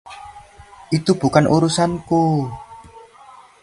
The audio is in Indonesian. Itu bukan urusanku.